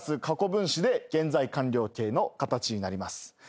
ｈａｖｅ＋過去分詞で現在完了形の形になります。